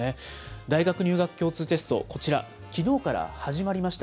大学入学共通テスト、こちら、きのうから始まりました。